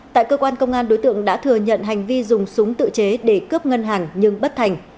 tại cơ quan công an đối tượng đã thừa nhận hành vi dùng súng tự chế để cướp ngân hàng nhưng bất thành